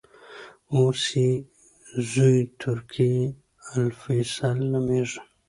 اوس یې زوې ترکي الفیصل نومېږي.